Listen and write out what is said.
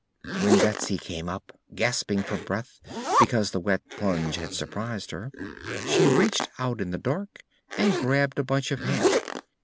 When Betsy came up, gasping for breath because the wet plunge had surprised her, she reached out in the dark and grabbed a bunch of hair.